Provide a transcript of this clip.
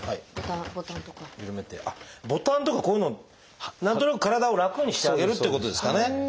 ボタンとかこういうのを何となく体を楽にしてあげるっていうことですかね。